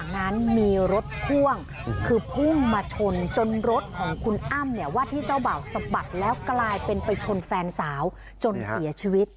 นั้นมีรถพ่วงคือพุ่งมาชนจนรถของคุณอ้ำเนี่ยว่าที่เจ้าบ่าวสะบัดแล้วกลายเป็นไปชนแฟนสาวจนเสียชีวิต